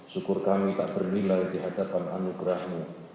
syukur kami tak bernilai di hadapan anugerahmu